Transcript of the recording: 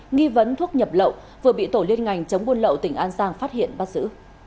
nghi vấn thuốc nhập lậu vừa bị tổ liên ngành chống buôn lậu tỉnh an giang phát hiện bắt giữ